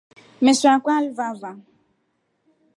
Meso yakwa yalivava.